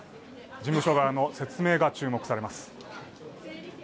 事務所側の説明が注目されます。